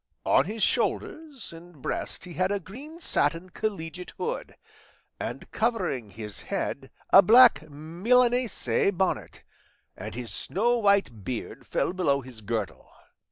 On his shoulders and breast he had a green satin collegiate hood, and covering his head a black Milanese bonnet, and his snow white beard fell below his girdle.